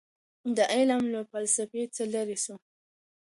دا علم له فلسفې څخه لیرې سو.